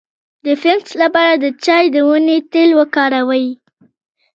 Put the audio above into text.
د فنګس لپاره د چای د ونې تېل وکاروئ